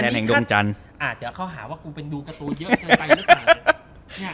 ตัวแทนแห่งดวงจันทร์อ่าเดี๋ยวเขาหาว่ากูเป็นดูการ์โตเยอะเท่าไหร่ต่าง